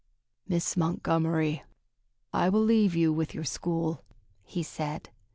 "Miss Montgomery, I will leave you with your school," he said.